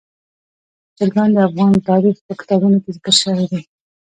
چرګان د افغان تاریخ په کتابونو کې ذکر شوي دي.